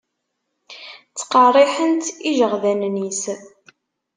Ttqerriḥen-tt ijeɣdanen-is.